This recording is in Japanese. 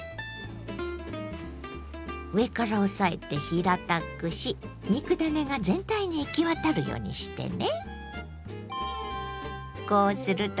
上から押さえて平たくし肉ダネが全体に行き渡るようにしてね。